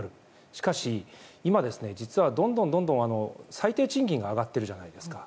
しかし今、実はどんどん最低賃金が上がってるじゃないですか。